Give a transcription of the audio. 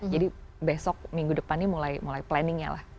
jadi besok minggu depan ini mulai planningnya lah